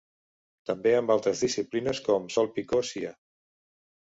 També amb altres disciplines, com Sol Picó Cia.